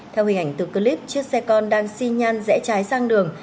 theo hình ảnh từ clip chiếc xe con đang xi nhan rẽ trái sang đường